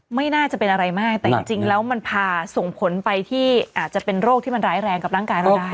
ไม่น่าจะเป็นอะไรมากแต่จริงแล้วมันพาส่งผลไปที่อาจจะเป็นโรคที่มันร้ายแรงกับร่างกายเราได้